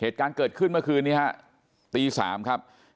เหตุการณ์เกิดขึ้นเมื่อคืนนี้ฮะตี๓ครับ